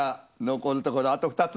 残るところあと２つ。